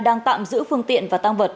đang tạm giữ phương tiện và tăng vật